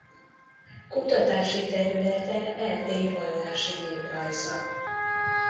Kutatási területe Erdély vallási néprajza.